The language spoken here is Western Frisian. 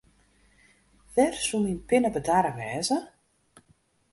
Wêr soe myn pinne bedarre wêze?